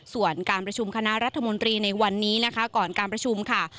ส่วนการประชุมคณะรัฐมนตรีในวันนี้นะคะก่อนการประชุมค่ะ